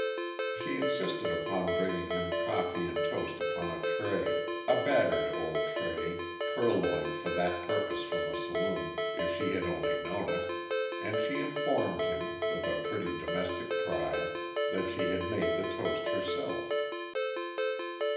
She insisted upon bringing him coffee and toast upon a tray a battered old tray, purloined for that purpose from the saloon, if she had only known it and she informed him, with a pretty, domestic pride, that she had made the toast herself.